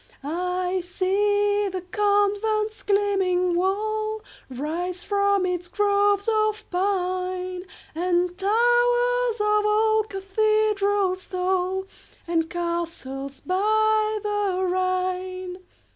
I see the convent's gleaming wall Rise from its groves of pine, And towers of old cathedrals tall, And castles by the Rhine.